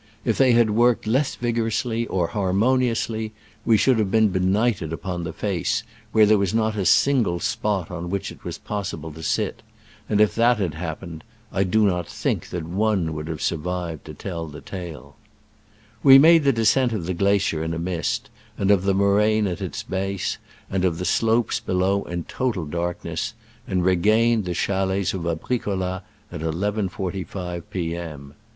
If they had worked less vigorously or harmoniously, we should have been be nighted upon the face, where there was not a single spot upon which it was pos sible to sit ; and if that had happened, Digitized by Google SCRAMBLES AMONGST THE ALPS IN i86o »69. 119 I do not think that one would have sur vived to tell the tale. We made the descent of the glacier in a mist, and of the moraine at its base and of the slopes below in total dark ness, and regained the chalets of Abri coUa at 11.45 P. M.